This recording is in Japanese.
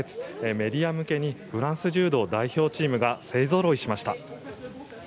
メディア向けにフランス柔道代表チームが勢ぞろいしました。